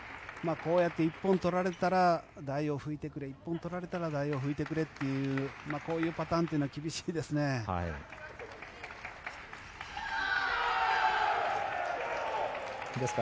こうやって１本取られたら台を拭いてくれ１本取られたら台を拭いてくれっていうこういうパターンは厳しいですね。